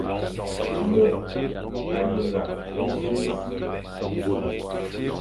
Môr a yinga ôsṽi e si.